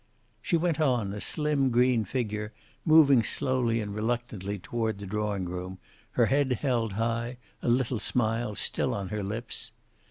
She went on, a slim green figure, moving slowly and reluctantly toward the drawing room, her head held high, a little smile still on her lips.